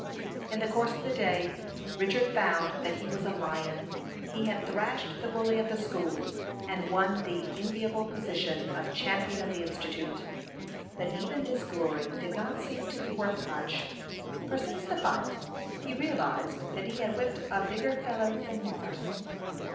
In the course of the day Richard found that he was a lion. He had thrashed the bully of the school, and won the enviable position of champion of the Institute. But even this glory did not seem to be worth much; for since the fight, he realized that he had whipped a bigger fellow than Nevers.